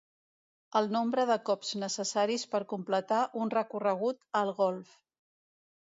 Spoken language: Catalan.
El nombre de cops necessaris per completar un recorregut al golf.